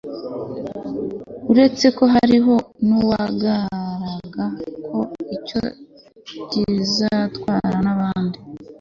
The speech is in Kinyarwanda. uretseko hariho nuwaraga ko icyo i kizatwarwa n'abandi